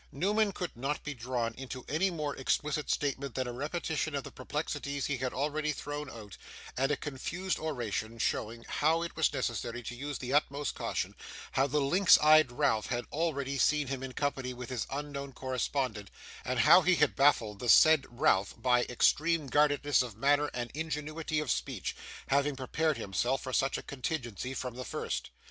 Newman could not be drawn into any more explicit statement than a repetition of the perplexities he had already thrown out, and a confused oration, showing, How it was necessary to use the utmost caution; how the lynx eyed Ralph had already seen him in company with his unknown correspondent; and how he had baffled the said Ralph by extreme guardedness of manner and ingenuity of speech; having prepared himself for such a contingency from the first.